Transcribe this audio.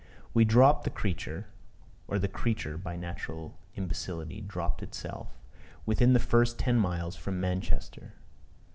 We dropped the creature or the creature, by natural imbecility, dropped itself within the first ten miles from Manchester.